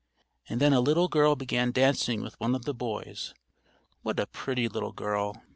And then a little girl began dancing with one of the boys, what a pretty little girl!